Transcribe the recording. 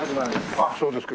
あっそうですか。